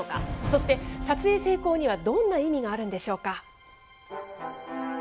そして、撮影成功にはどんな意味があるんでしょうか。